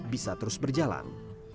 bisa terus berjalan